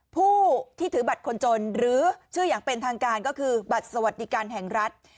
ผู้ที่ถือบัตรคนจนหรือชื่ออย่างเป็นทางการก็คือบัตรสวัสดิการแห่งรัฐ